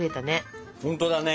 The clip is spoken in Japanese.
ほんとだね！